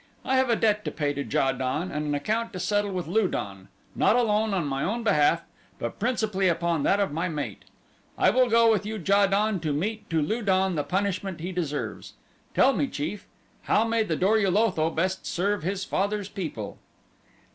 I have a debt to pay to Ja don and an account to settle with Lu don, not alone on my own behalf, but principally upon that of my mate. I will go with you Ja don to mete to Lu don the punishment he deserves. Tell me, chief, how may the Dor ul Otho best serve his father's people?"